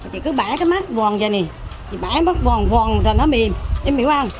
chị cứ bã cái mắt vòn ra nè chị bã cái mắt vòn vòn rồi nó mềm em hiểu không